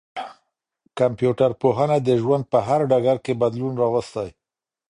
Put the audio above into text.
کمپيوټر پوهنه د ژوند په هر ډګر کي بدلون راوستی.